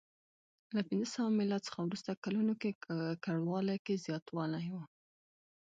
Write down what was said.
له پنځه سوه میلاد څخه وروسته کلونو کې ککړوالي کې زیاتوالی و